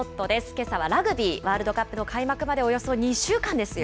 けさはラグビーワールドカップの開幕までおよそ２週間ですよ。